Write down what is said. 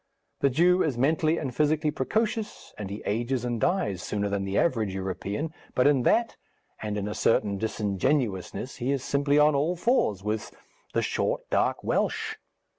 The Jew is mentally and physically precocious, and he ages and dies sooner than the average European, but in that and in a certain disingenuousness he is simply on all fours with the short, dark Welsh.